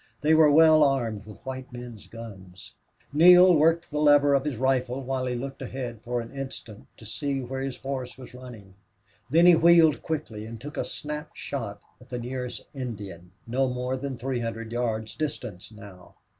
They were well armed with white men's guns. Neale worked the lever of his rifle while he looked ahead for an instant to see where his horse was running; then he wheeled quickly and took a snap shot at the nearest Indian, no more than three hundred yards distant now.